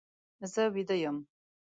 زه ویده یم.